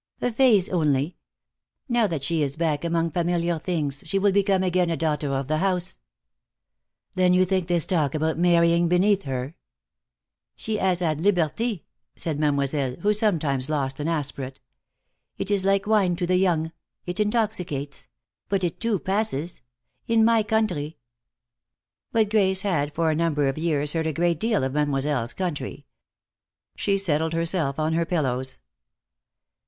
"A phase, only. Now that she is back among familiar things, she will become again a daughter of the house." "Then you think this talk about marrying beneath her " "She 'as had liberty," said Mademoiselle, who sometimes lost an aspirate. "It is like wine to the young. It intoxicates. But it, too, passes. In my country " But Grace had, for a number of years, heard a great deal of Mademoiselle's country. She settled herself on her pillows.